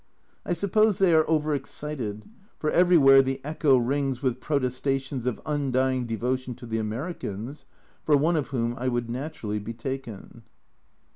I suppose they are over excited, for everywhere the echo rings with protestations of undying devotion to the Americans, for one of whom I would naturally be taken.